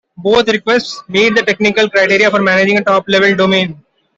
Both requests meet the technical criteria for managing a top-level domain.